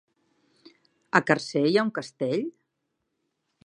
A Càrcer hi ha un castell?